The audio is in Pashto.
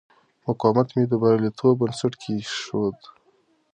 مقاومت مې د بریالیتوب بنسټ کېښود.